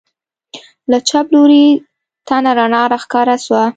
له چپ لوري تته رڼا راښکاره سوه.